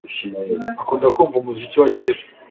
Akunda kumva umuziki wa kera